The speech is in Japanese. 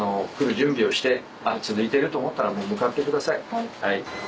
はい。